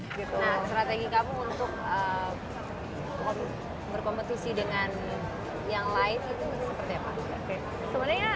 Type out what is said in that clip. nah strategi kamu untuk berkompetisi dengan yang lain itu seperti apa